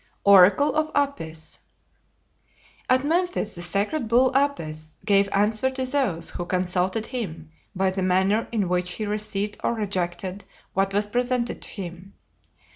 ORACLE OF APIS At Memphis the sacred bull Apis gave answer to those who consulted him by the manner in which he received or rejected what was presented to him.